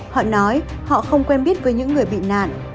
họ nói họ không quen biết với những người bị nạn